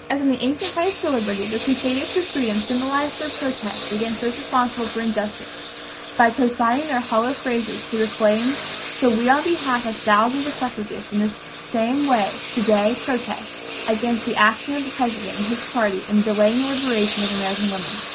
"As in the ancient fights for liberty, the crusaders for freedom symbolized their protest against those responsible for injustice by consigning their hollow phrases to the flames, so we, on behalf of thousands of suffragists, in this same way to day protest against the action of the President and his party in delaying the liberation of American women."